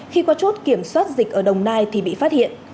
khi có chốt kiểm soát dịch ở đồng nai thì bị phát hiện